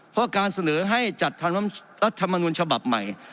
เพราะการเสนอให้จัดทำรัฐมนุนฉบับใหม่